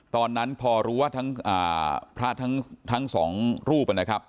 ตอนนั้นพอรู้ว่าทั้งอ่าพระทั้งทั้งสองรูปมันนะครับ